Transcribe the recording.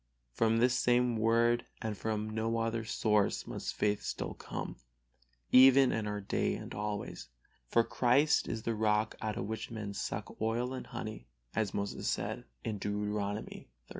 From this same Word and from no other source must faith still come, even in our day and always. For Christ is the rock out of which men suck oil and honey, as Moses says, Deuteronomy xxxii.